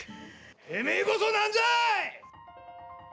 てめえこそ、なんじゃい！